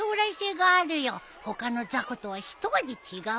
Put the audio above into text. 他の雑魚とはひと味違うね。